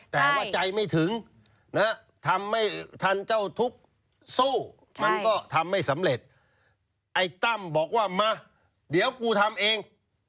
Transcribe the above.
แต่ว่าใจไม่ถึง